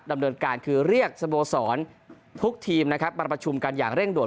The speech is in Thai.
ดำเนินการคือเรียกสโบสอนทุกทีมมาประชุมกันอย่างเร่งโดด